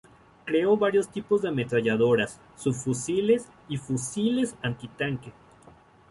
Creó varios tipos de ametralladoras, subfusiles y fusiles antitanque.